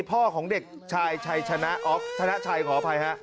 พ่อของเด็กชายชนักชัยขออภัย